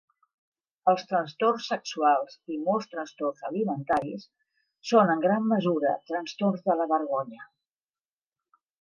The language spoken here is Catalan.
Els trastorns sexuals i molts trastorns alimentaris són en gran mesura trastorns de la vergonya.